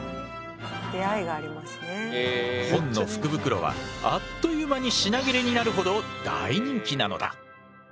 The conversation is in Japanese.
本の福袋はあっという間に品切れになるほどそこで！